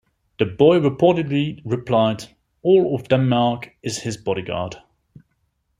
The boy reportedly replied, All of Denmark is his bodyguard.